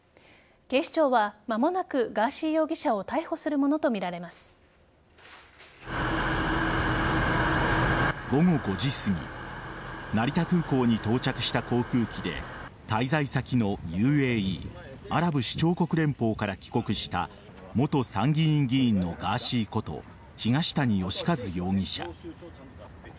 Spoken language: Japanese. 警視庁は間もなくガーシー容疑者を午後５時すぎ成田空港に到着した航空機で滞在先のＵＡＥ＝アラブ首長国連邦から帰国した元参議院議員のガーシーこと東谷義和容疑者。